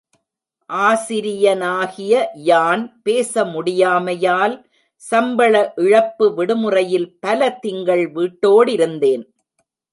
ஆசிரியனாகிய யான் பேச முடியாமையால் சம்பள இழப்பு விடுமுறையில் பல திங்கள் வீட்டோடிருந்தேன்.